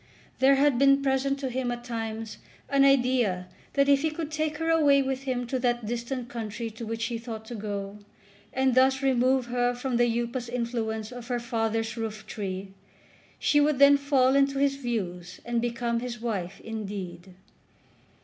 There had been present to him at times an idea that if he could take her away with him to that distant country to which he thought to go, and thus remove her from the upas influence of her father's roof tree, she would then fall into his views and become his wife indeed.